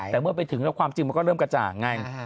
แต่เมื่อไปถึงแล้วความจริงมันก็เริ่มกระจ่างไง